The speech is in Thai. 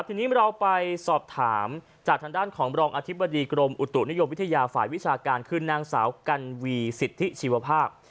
ทีนี้เราไปสอบถามจากทางด้านของรองอธิบดีกรมอุตุนิยมวิทยาฝ่ายวิชาการคือนางสาวกันวีสิทธิชีวภาพ